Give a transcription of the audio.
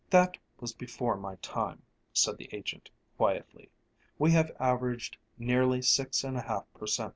"That was before my time," said the agent, quietly. "We have averaged nearly six and a half per cent.